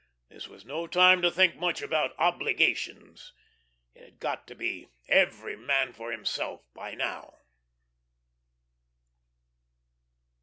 This was no time to think much about "obligations." It had got to be "every man for himself" by now.